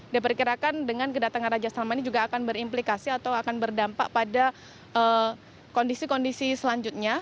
diperkirakan dengan kedatangan raja salman ini juga akan berimplikasi atau akan berdampak pada kondisi kondisi selanjutnya